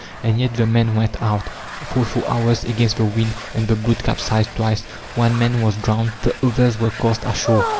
And yet the men went out, fought for hours against the wind, and the boat capsized twice. One man was drowned, the others were cast ashore.